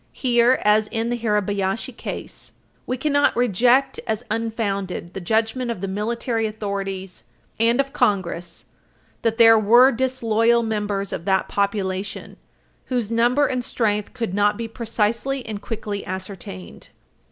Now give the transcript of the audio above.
Here, as in the Hirabayashi case, supra, at p. 320 U. S. 99, "... we cannot reject as unfounded the judgment of the military authorities and of Congress that there were disloyal members of that population, whose number and strength could not be precisely and quickly ascertained.